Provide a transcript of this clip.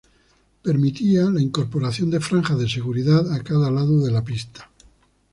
Permitía la incorporación de franjas de seguridad a cada lado de la pista.